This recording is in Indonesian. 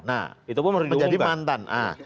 nah menjadi mantan